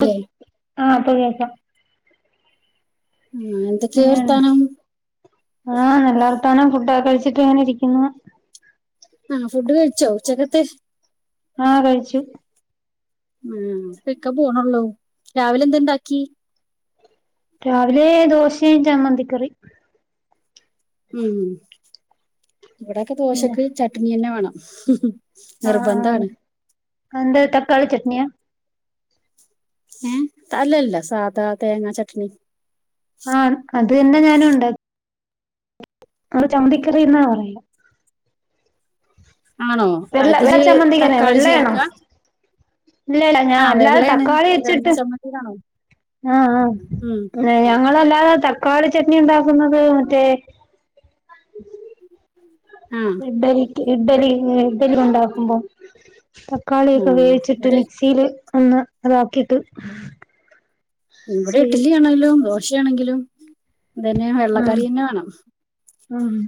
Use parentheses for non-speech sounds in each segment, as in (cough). ല്ലേ ആ പ്പ കേക്കാം ആ എന്തൊക്കെയ വർത്താനം ആ നല്ല വർത്താനാ ഫുഡൊക്ക കഴിച്ചിട്ട് ഇങ്ങനെ ഇരിക്കുന്നു ആഹ് ഫുഡ് കഴിച്ചോ ഉച്ച (unintelligible) ആ കഴിച്ചു ഇക്ക പോണള്ളൂ രാവിലെ എന്തുണ്ടാക്കി രാവിലെ ദോശയും ചമ്മന്തിക്കറി ഉം ഇവിടൊക്കെ ദോശക്ക് ചട്നി തന്നെ വേണം (unintelligible) അ ആ അ നിർബന്ധാണ് അഎന്തെ തക്കാളി ചട്നിയ ഏ അല്ലല്ല സാധാ തേങ്ങ ചട്നി ആ പിന്നെ ഞാനുണ്ട അവര് ചമ്മന്തികറിന്നാ പറയ് ആണോ വെള്ള വെള്ള അതില് ചമ്മന്തിക്കെല്ലെ തക്കാളി വെള്ളയാണോ ചേർക്ക ഇല്ലല്ല ഞാ ആ അല്ലാതെ വെള്ളയാണ് വെള്ള തക്കാളിച്ചിട്ട് ചമ്മന്തിയിലാണോ അ ആ ഉം ന്നെ ഞങ്ങളല്ലാ അല്ലാതെ തക്കാളി ചട്നി ഉണ്ടാക്കുന്നത് മറ്റെ ആ ഇഡ്ഡലിക്ക് ഇഡ്ഡലി യെ ഡ്ഡലി ണ്ടാക്കുമ്പോ ആ തക്കാളിയൊക്കെ വേവിച്ചിട്ട് ഇവിടെ മിക്സിയില് ഒന്ന് അതാക്കിട്ട് ഇവിടെ ശരി ഇട്ടിലിയാണല്ലോ ദോ ശെ ണെങ്കിലും അതെന്നെ ആഹ് വെള്ളക്കറിന്നെ വേണം ആഹ്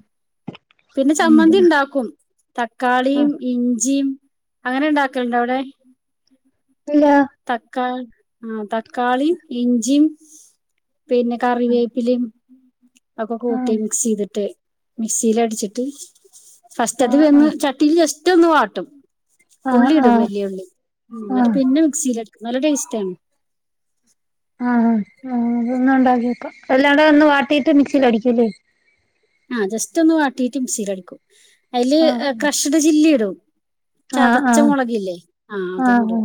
പിന്നെ ഉം ചമ്മന്തി ഇണ്ടാക്കും ആഹ് തക്കാളീം ഇഞ്ചി അങ്ങനെഇണ്ടാക്കൽണ്ടെ അവ്ടെ ഇല്ല തക്കാൾ ആ തക്കാളീം ഇഞ്ചി പിന്നെ കറിവേപ്പിലിം ഒക്കെ കൂട്ടി ആഹ് മിക്സ്യ്തിട്ട് മിക്സിയില് അടിച്ചിട്ട് ഫസ്റ്റ് അത് ആഹ് വെന്ന് ചട്ടീൽ റ്റൊന്ന് വാട്ടും ആഹ് ഉള്ളി ആഹ് ഇടും ആഹ് വലിയുള്ളി എന്നിട്ട് ആഹ് പിന്നെ (unintelligible) നല്ല ടേസ്റ്റ് ആണ് ആ അ തൊന്ന് ഉണ്ടാക്കിക്കോ എല്ലാടൊന്ന് വാ (unintelligible) മിക്സിലടിക്കൂലെ ആ ജസ്റ്റ് ഒന്ന് വാട്ടീട്ട് മിക്സിലടിക്കും അയില് ആഹ് ക്രഷ്ഡ് ചില്ലി ഇടും ആഹ് ചതച്ച ആഹ് മുളകില്ലെ ആ ആഹ് ആഹ് അതുടും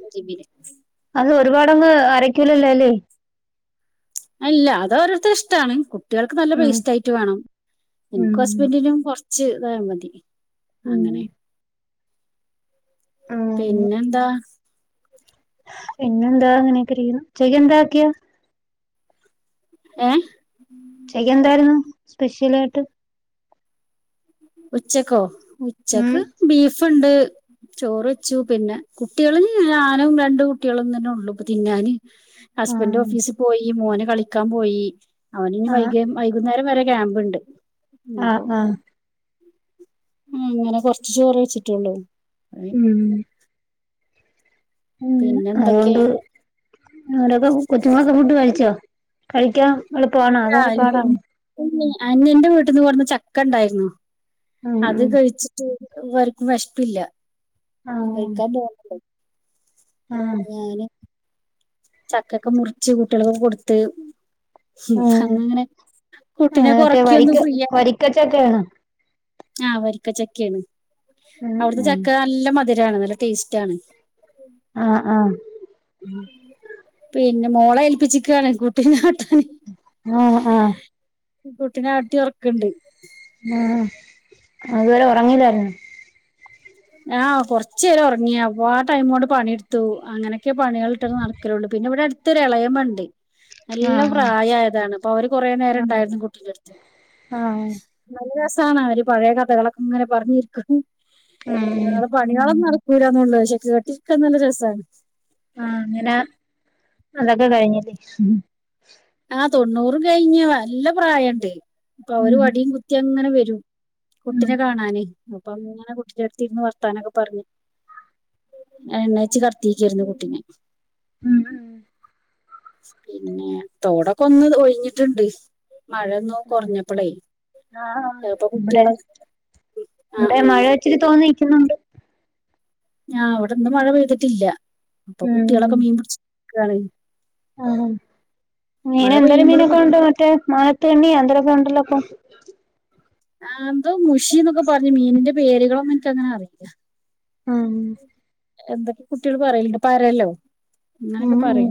(unintelligible) അത് ഒരുപാടങ്ങ് അരക്കൂലല്ലെ അല്ല അത് ഓരോരുടെ ഇഷ്ടാണ് കുട്ടിൾക്ക് നല്ല ഉം പേസ്റ്റ് ആയിട്ട് വേണം. ഉം ഇൻക്കും ഹസ്ബൻഡിനും കൊറ ച്ച് താമതി ഉം അങ്ങനെ ഉം പിന്നെന്താ പിന്നെന്താ ഇങ്ങനെയൊക്കെ ഇരിക്കുന്നു ചെയ്യന്താക്കിയാ ഏ ഉച്ചയ്ക്ക് എന്തായിരുന്നു സ്പെഷ്യൽ ആയിട്ട് ഉച്ചക്കോ ഉം ഉച്ചക്ക് ബീഫ് ഇപ്പുണ്ട് ചോറ് വെച്ചു പിന്നെ കുട്ടികള് ഞാനും രണ്ട് കുട്ടികളും തന്നുളളൂ തിന്നാന് ഹസ്ബൻഡ് ആഹ് ഓഫീസിൽ പോയി മോനു കളിക്കാം പോയി അവന് ഇനി വൈകി വൈകുന്നേരം വരെ ക്യാമ്പുണ്ട് ആ ആ ഉം അങ്ങനെ കൊറച്ച് ചോറേ വെച്ചിട്ടുള്ളൂ ഉം ഉം പിന്നെ എന്തൊക്കെ അതുകൊണ്ട് അവരൊക്കെ കൊച്ചുങ്ങളൊക്കെ ഫുഡ് കഴിച്ചോ? കഴിക്കാം എളുപ്പമാണോ അതോ പാടാണോ? അനിയന്റെ വീട്ടിന്ന് കൊണ്ടുവന്ന ചക്ക ണ്ടാര്ന്നു ഉം അത് ഉം കഴിച്ചിട്ട് ഇവർക്കും വെശ്പ്പില്ല ഈ കഴിക്കാൻ തോന്നണ്ടേ ആമ്മ് ചക്കക്കെ മുറിച്ച് കുട്ടികള്ക്കൊക്കെ കൊടുത്ത് ഹും ഉം അന്നങ്ങനെ ആഹ് കുട്ടിനെ മറ്റേ കൊറക്കിയൊന്നു വരിക്ക ഫ്രീയായി വരിക്കച്ചക്കയാണോ ആ വരിക്ക ചക്കയണ് ഉം അവിട്ത്തെ ഉം ചക്ക നല്ല മതി രാണ് നല്ല ടേസ്റ്റാണ് ആ ആ ഉം പിന്നെ മോളെ ഏൽപ്പിച്ചിക്കാണ് കുട്ടീ നോട്ടം ആ ആ കുട്ടിനെ ആട്ടി ഒറക്ക്ണ്ട് ആ അതുവരെ ഒറങ്ങില്ലാരുന്നോ ആ കൊറച്ച് നേരം ഒറങ്ങിയ അപ്പൊ ആ ടൈമു കൊണ്ട് പണിയെടുത്തു അങ്ങനെക്കെ പണികളിട്ട് നടക്കലുള്ളു പിന്നെ ഇവിടെ അടുത്തൊരു എളയമ്മ ണ്ട് നല്ലോം ആഹ് പ്രായായതാണ് അപ്പൊ അവര് കൊറേ നേരം ആഹ് ണ്ടായിരുന്നു കുട്ടിട് അടുത്ത് ആഹ് നല്ല ര ആണ് അവര് പഴയ കഥകളൊക്കെ ഇങ്ങനെ പറഞ്ഞിരിക്കും ഉം ഞങ്ങള് പണികളൊന്നും നട കൂരാന്ന (unintelligible) ള്ള പക്ഷെ കെട്ടിരിക്കാൻ നല്ല രസമാണ് ആഹ് അങ്ങനെ അതൊക്കെ കഴിഞ്ഞിട്ട് ആ തൊണ്ണൂറ് കഴിഞ്ഞ് നല്ല പ്രായുണ്ട് അപ്പൊ അവര് ഉം വടിയും കുത്തി അങ്ങനെ വരും (inaudible) ഉം കുട്ടിനെ കാണാന് അപ്പം ഇങ്ങനെ കുട്ടിടെ അടുത്തിരുന്നു വർത്താനൊക്കെ പറഞ്ഞ് എണ്ണച്ച കർത്തിക്കായിരുന്നു കുട്ടിനെ ഉം ഉം പിന്നെ തോടൊക്കെ ഒന്ന് ഒഴിഞ്ഞിട്ടുണ്ട് മഴ ഒന്ന് കുറഞ്ഞപ്പോളേ ചിലപ്പോ ഇവിടെ കുട്ടികളെ ആ ആ മഴ ഇച്ചിരി തോന്നി- ണ്ട് (unintelligible) ഞാ അവിടെന്നും മഴ പെയ്തിട്ടില്ല അപ്പൊ ഉം കുട്ട്യേളൊക്കെ മീൻ പിടിച്ച് ഇക്കാണ് ആഹ് മഴ മീന് എന്തൊരു പെയ്യുമ്പോൾ മീനൊക്കെ പിടി ഉണ്ട്‌ മറ്റേ മാനത്ത് കണ്ണിയോ എല്ലാം ഇണ്ടല്ലോ ഇപ്പം ആ എന്തോ മുഷി എന്നൊക്കെ പറഞ്ഞു മീനിന്റെ പേരുകളൊന്നും എനിക്കങ്ങനെ അറിയില്ല ആഹ് എന്തൊക്കെ കുട്ട്യേൾ പറയിണ്ട് പറ്യല്ലോ ഉം ഇങ്ങനൊക്കെ ഉം പറിം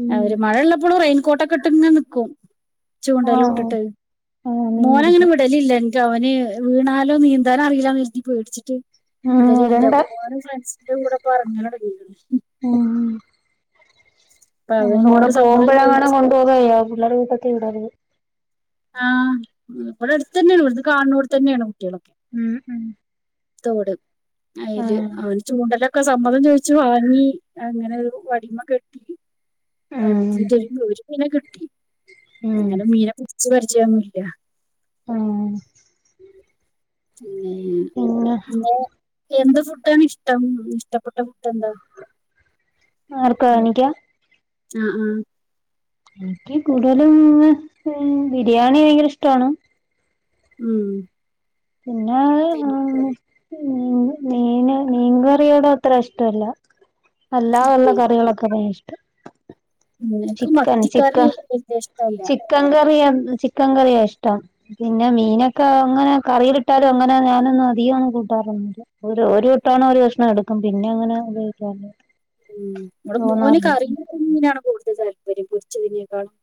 ഉം ആര് മഴെള്ളപ്പോളും റൈ കോട്ടക്കെട്ടിന്നെ നിക്കും ആഹ് ചൂണ്ടലൂട്ട്ട്ട് ആഹ് മീൻ മോനങ്ങനെ പിടിക്കാൻ വില് ല്ല അവന് വീണാലും നീന്താനറീല്ലാന്ന് എര്തി പേട്ച്ചിട്ട് ഉം വിടല് ഇല്ല ഇവിടെണ്ട് പോവാനും ന്റെ കൂടെ പറഞ്ഞ (unintelligible) ഉം അപ്പൊ അവൻ അമ്മള കൂടെ ഇന്നോട് സമ്മതം പോകുമ്പഴാങ്ങണെ ചോദിച്ചു കൊണ്ടൊ പോവായല് ഉള്ളവരെ പറ്റി ഉടയവര് ആഹ് ഇവിടെ എട്ത്തെന്നെ ഒര് വിടുണ്ട് ഇത് കാണ് ണോട്തന്നെയാണ് ഉം ഉം തോട് അയില് ആഹ് അവന് ച്ചൂണ്ടലൊ ഒക്കെ സമ്മതം ചോദിച്ചു വാങ്ങി അങ്ങനെ ഒരു വടിമ കെട്ടി. ഉം (unintelligible) പിനെ കിട്ടി ഉം അ മീരാ പ (unintelligible) വിർജയമില്ല (unintelligible) ആഹ് ന്നെ പിന്നെ ഇന്നേ എന്ത് ഫുഡാണ് ഇഷ്ടം ഇഷ്ടപ്പെ- ട്ട ഫുഡ്‌ എന്താ ആർക്കാ എനിക്കാ ആഹ് ആഹ് എനിക്ക് കൂടുതലും ബിരിയാണി ഭയങ്കര ഇഷ്ടമാണ് ഉം പിന്നെ ആ പിന്നെ ഉം മീൻ മീൻകറിയോട അത്ര ഇഷ്ടല്ല അല്ലാതേയുള്ള ഇല്ലേ കറികളൊക്കെ ഭയ ഇ- നിനക്ക് മത്തിക്കറി ചിക്കൻ വല്യഷ്ടല്ല ചിക്കൻ കറിയ ചിക്കൻ കറിയാ ഇഷ്ടം പിന്നെ മീനൊക്കെ അങ്ങനെ കറി വെ ട്ടാലും അങ്ങനെ ഞാനൊന്നും അധികം കൂട്ടാറൊന്നില്ല ഒരു ഒരു വട്ടാണേ ഒരു കഷ്ണം എടുക്കും പിന്നെ അങ്ങനെ ഉപയോഗിക്കാറില്ല ഉം ബടെ മോന് തോന്നാറില്ല കറീലിട്ട മീനാണ് കൂടുതൽ പ്പരി പൊരിച്ചതിനെക്കാളും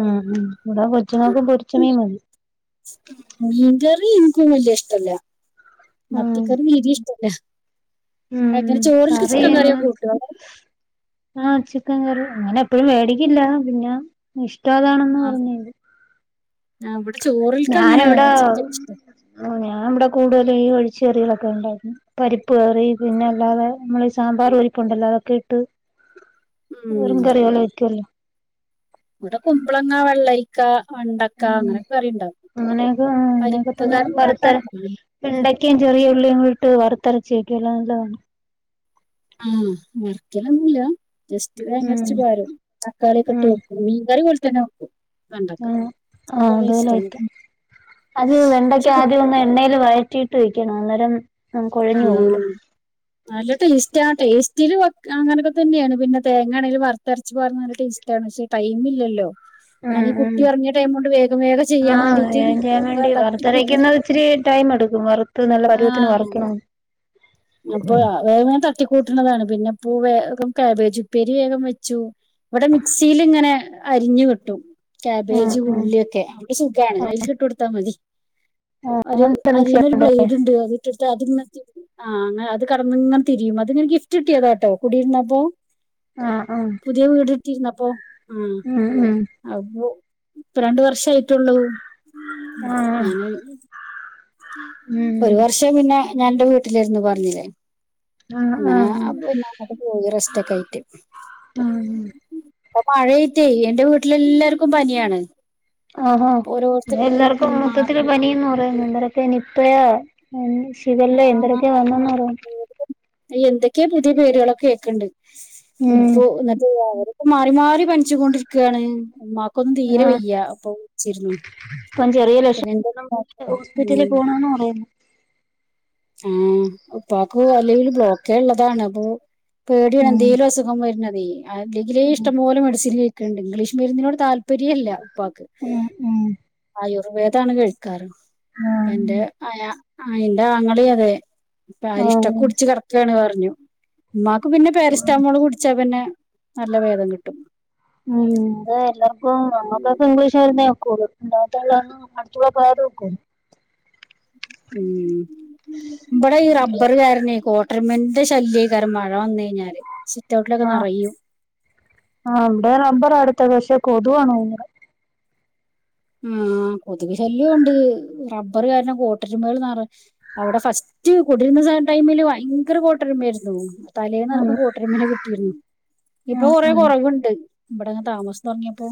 ഉം ഉം ഇവിടാ കൊച്ചുറങ്ങക്ക് പൊരിച്ച മീൻ മതി മീൻകറി എനിക്കും വല്ല ഇഷ്ടല്ല ഉം മത്തിക്കറി വീട്ടിൽ ഇഷ്ടല്ല ഉം അങ്ങനെ ചോറിൽക്ക് കറി ചിക്കൻ അങ്ങ് കറിയൊ കൂട്ടും ആ ചിക്കൻ കറി അങ്ങനെ പ്പഴും മേടിക്കില്ല പിന്ന ഇഷ് ടതാണെന്ന് പറഞ്ഞേര് ആ ഇവിടെ ചോറിൽക്കങ്ങനെ ചി (unintelligible) ഞാൻ ഇവിടെ കൂടുതലും ഈ ഒഴിച്ച് കറികളൊക്കെ ഉണ്ടാക്കുന്നെ പരിപ്പ് കറി പിന്നെ അല്ലാതെ നമ്മള് ഈ സാമ്പാർ പരിപ്പുണ്ടല്ലോ അതൊക്കെ ഇട്ട് (unintelligible) ങ്കറികൾ വെക്കുവല്ലോ ഇവിടെ കുമ്പളങ്ങാ വെള്ളരിക്കാ ഉം അങ്ങനെയൊക്കെ അങ്ങനെയൊക്കെ പരിപ്പ് തന്നെ കറി വറുത്തര ഇണ്ടാക്കാനറിയും വെണ്ടക്കെയും ചെറിയ ഉ ള്ളിയും കൂടി ഇട്ട് വറുത്തരച്ചി വെക്കുല്ലോ അത് നല്ല കറി ആ വർക്കലൊന്നുംല്ല ജസ്റ്റ് ഉം തേങ്ങരച്ച് പാരും തക്കാളിയൊക്കെ ഇട്ട് വെക്കും മീൻകറിപോല ത്തന വെക്കും വെണ്ടക്ക ആ ആ ഇഷ്ടാണ് അതോലൊയിക്ക അത് വെണ്ടക്ക പക്ഷെ ആദ്യം ഒന്ന് എണ്ണേല് വഴ റ്റീട്ട് വെക്കണം അന്നേരം കൊഴഞ്ഞു പോകൂല ആഹ് നല്ല ടേസ്റ്റ് ആ ടേ സ്റ്റിൽ വെക്കാ അങ്ങനൊക്കെ തന്ന്യാണ് പിന്നെ തേങ്ങാണെങ്കിൽ വറുത്തരച്ച് പാർന്നാ നല്ല ടേസ്റ്റാണ് പക്ഷേ ടൈം ഇല്ലല്ലോ ഉം ഞാനീ ഉം കുട്ടി ഒറങ്ങിയ ടൈം കൊണ്ട് വേഗം വേഗം ആ ചെയ്യാൻ അത് വേണ്ടീട്ട് ചെയ്യാൻ ഇതാ വേണ്ടി തട്ടിക്കൂട്ടി വറുത്തരക്കുന്നത് ഇച്ചിരി ടൈം എടുക്കും സുമാർ ത്ത് നല്ല പരുവത്തിന് ആഹ് വറുക്കണം അപ്പൊ വേം വേം ത ട്ടികൂട്ടണതാണ് പിന്നെ പൂ വേഗം കാബേജ് ഉപ്പേരി വേഗം വെച്ചു ഇവിടെ മിക്സീൽ ഇങ്ങനെ അരിഞ്ഞു കിട്ടും ഉം കാബേജ് ഉം ഉള്ളിയൊക്കെ അപ്പോ സുഖമാണ് അതിലേക്ക് ഇട്ടു കൊടുത്താൽ മതി ആഹ് ഒരു അങ്ങനത്തെ മിക്സി അരിയണ ഒരു ബ്ലേഡ് ഉണ്ട് അത് ഇട്ട് കൊടുത്ത അതി ആഹ് അന അ കെടന്നിങ്ങനെ തിരിയും അത്ങ്ങനെ ഗഫ്റ്റ് കിട്ടിയതാട്ടോ കടിയിരുന്നപ്പോ ആഹ് ആഹ് കിരുന്നപ്പോ ആഹ് ഉം ഉം അതു ഇപ്പ രണ്ട് വർഷമായി ട്ടുള്ളൂ ആഹ് ആഹ് ഞാന് ഉം ഒരു വർഷം പിന്നെ ഞാൻ എന്റെ വീട്ടിലാരുന്നു പറഞ്ഞില്ലേ ആഹ് അങ്ങനെ ആഹ് പിന്നെ അങ്ങക്കെ പോയി റെസ്റ്റ് ഒക്കെ ആയിട്ട് ആഹ് അപ്പൊ മഴയായിട്ടെ എന്റെ വീട്ടിലെല്ലാർക്കും പനിയാണ് ആഹ് ഓരോരുത്തർക്കും ഉം എല്ലാർക്കും മാറി മൊത്തത്തില് മാറി പനിയെന്ന് പറയുന്നു എന്ത നി നിപ്പ ഷിഖല്ലേ എന്ത രൊക്കെ വന്നെന്ന് പറയുന്ന് എന്തൊക്കെ പുതിയ പേരുകളൊക്കെ ഒക്കെ ഉണ്ട് ഉം ഇപ്പോ എന്നിട്ട് അവ- ഇപ്പ മാറി മാറി പനിച്ചു കൊണ്ടിരിക്കുകയാണ് ഉമ്മാക്കൊന്നും തീരെ ആഹ് വെയ്യ അപ്പൊ ച്ചിര്ന്നു ഇപ്പം ചെറിയ ലക്ഷ (unintelligible) ഉം ഹോസ്പിറ്റലി പോണോന്ന് പറയ്ന്ന് ആഹ് ഉപ്പാക്കു അല്ലേല് ബ്ലോക്കേ ള്ളതാണ് അപ്പൊ പേട്യാണ് ഉം ന്തേലും അുസുഖം വര്ണത് വയെ അല്ലെങ്കിലേ ഉം ഇഷ്ടം പോല മെഡസില് ക്കെണ്ട് ഇംഗ്ലീഷ് മെര്ന്നിനോട് താൽപര്യേല്ലാ പ്പാക്ക് ഉം ഉം ആയോ വേദാണ് കഴിച് ക്കാറ് പ്പ എന്റെ ആഹ് ആയാ ആ എന്താ ങ്ങളീ അതെ പ്പാ ആരിഷ്ടൊക്കുട്ച്ച് കെടക്കാണ് വേറ് ന്യു മ്മ നല്ല ഭേദം കിട്ടും ഉം ന്താ എല്ലാർക്കും നമ്മക്കൊക്കെ ഇംഗ്ലീഷ് ആയ്ര്ന്നേ (unintelligible) അട്ത്തൂട പോയാലൊക്കും ഉം ഇവിടെ ഈ റബ്ബറ് കാരണവേ കോ- ട്രിമന്റെ ശല്ല്യെയ്ക്കാര മഴ വന്ന് കയ്ഞ്ഞാല് ആഹ് ആ അവ്ടെ (unintelligible) അട് പക്ഷേ കൊതുവാണ് തോന്നത് ആഹ് കൊതുക് ശല്ല്യൊ കൊണ്ട് റബ്ബർ കാര്ണം കോട്ടരുമകൾ ന്നറ് അവ്ടെ ഫസ്റ്റ് കൊട്രുന്ന ടൈമില് വയങ്കര കോട്ടരുമെയ്ര്ന്നു (inaudible) ഉം തലേന്നെർക്കം കോട്ടരുമനെ കിട്ടിര്ന്നു ഇപ്പൊ ഉം കൊറേ ഉം കൊറവുണ്ട് ഇവിടയ്ങ് താമസം തൊട്ങ്ങിയപ്പോ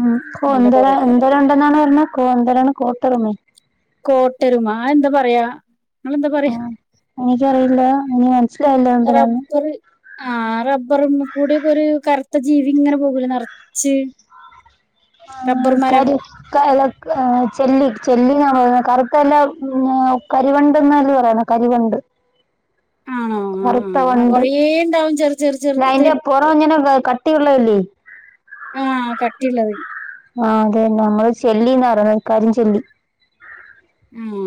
അ കൊന്ത (unintelligible) (unintelligible) ഉണ്ടെന്നാണ് പർഞ്ഞ കൊ ന്തരാണ് കോട്ടെര്മേ കോട്ടരുമാ ആ എന്താ പറയാ നിങ്ങളെന്താ പറയാ ആഹ് എനിക്കറിയില്ല എനി മനസ്സിലായില്ല എന്തരാന്ന് കൂടെക്കെ ഒര് കർത്ത ജീവി ങ്ങനെ പോകൂലെ നർച്ച് ആ കര് (unintelligible) ആഹ് ചെല്ലി ചെല്ലി ന്നാണൊ പറ കറുത്തല്ല കരിവണ്ട് എന്നല്ലേ പറയണ കരിവണ്ട് ആണോ ആഹ് കറുത്ത ആഹ് വണ്ട് കൊറേ ഉണ്ടാവും ചെറു ചെറു ല്ല ചെറുത് അയ്ന്റെ പൊറ ങ്ങനെ വ് കട്ടിയുള്ളല്ലേ കട്ടിള്ളത് ആഹ് അതെ തന്നെ നമ്മള് ചെല്ലിന്ന റിണ് കരിചെല്ലി ആ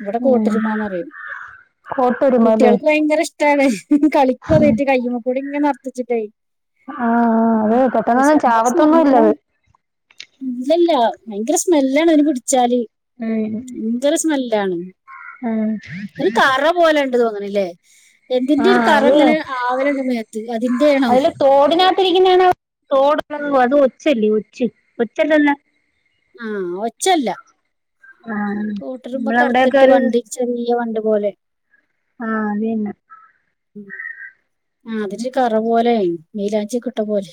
ഇവിടെ ഉം കൂട്ടരുമ്മാന്ന് പറയും. കോട്ടൊരുമല്ലേ കുട്ടികൾക്ക് ഭയങ്കര ഇഷ്ടാണ് ഹ്ഹ് കളിക്കും അതീട്ട് കയ്യുമ്മേ കൂടെ ഇങ്ങ് ന വെച്ചിട്ടേയ് ആാ അത് പെട്ടെന്നൊന്നും ചാവത്തൊന്നും ഇല്ലത്. ഇല്ലല്ല ഭയങ്കര സ്മെല്ലാണ് അയിനെ പിടിച്ചാല്. ഉം ങ്കര സ്മെല്ലാണ് ഉം ഒരു കറ പോലെ തോന്നണിലേ ആ എന്തിന്റെരു കറ അത് ങ്ങനെ ആവല്ണ്ട് മേത്ത് അതിന്റെയാണോ അതില് (unintelligible) തോടുള്ളത് അത് ഒച്ചല്ലേ ഒച്ച് ഒച്ചല്ലല്ലോ ആ ഒച്ചല്ല ആ കൂട്ടർമ്പ് നമ്മളവിടെയൊക്കെ കർത്തിട്ട് വണ്ടി ചെറിയ വണ്ട് പോലെ ആ അതെന്നാ ഉം ആത്ച്ച് കറ പോലൊയേന് മൈലാഞ്ചി ഒക്കെട്ട പോലെ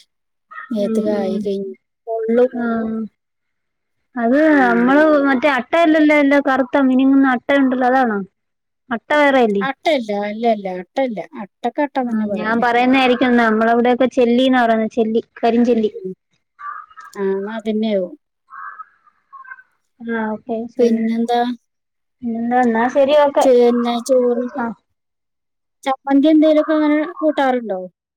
ഉം നേത്ത് ഉം കായ് കയ് പൊള്ളും ആഹ് അത് അങ്ങനെ നമ്മള് മറ്റേ അ അട്ടല്ലല്ലല്ലോ കറുത്ത മിനുങ്ങുന്ന അട്ട ഉണ്ടല്ലോ അതാണോ. വേറെയല്ലേ അട്ടയല്ല അല്ലല്ല ല്ല അട്ടയല്ല അ ആ ഞാൻ പറയുന്നായിരിക്കും നമ്മളവിടൊക്കെ ചെല്ലിന്നാ പറയുന്നേ ചെല്ലി കരിഞ്ചെല്ലി ഉം ആ എന്നാ അതന്നെയാവും ആഹ് ശേം ശേം എന്താന്നാ ചോറെന്ന ചോറ് ചമ്മന്തി എന്തേലുമൊക്കെങ്ങനെ കൂട്ടാറുണ്ടോ.